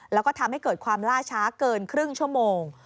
แล้วก็ทำให้เกิดความล่าช้าเกินครึ่งชั่วโมง